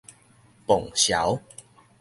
磅潲